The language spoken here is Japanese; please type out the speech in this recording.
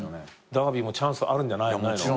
ダービーもチャンスあるんじゃないの？